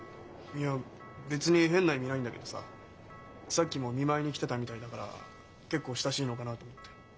いや別に変な意味ないんだけどささっきも見舞いに来てたみたいだから結構親しいのかなと思って。